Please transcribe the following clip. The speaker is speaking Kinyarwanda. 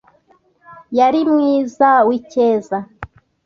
yari umwiza w’icyeza,